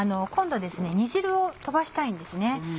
今度は煮汁を飛ばしたいんですね。